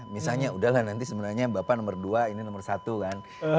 misalnya udahlah nanti sebenarnya bapak nomor dua ini nomor satu kan